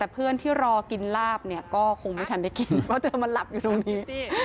แต่เพื่อนที่รอกินลาบเนี่ยก็คงไม่ทันได้กินเพราะเธอมาหลับอยู่ตรงนี้